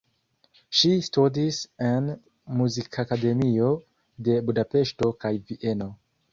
Ŝi studis en Muzikakademio de Budapeŝto kaj Vieno.